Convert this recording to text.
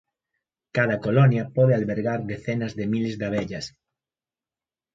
Cada colonia pode albergar decenas de miles de abellas.